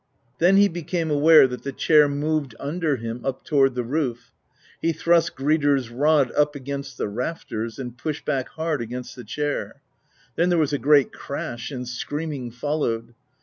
Then he became aware that the chair moved under him up toward the roof: he thrust Gridr's Rod up against the rafters and pushed back hard against the chair. Then there was a great crash, and screaming followed.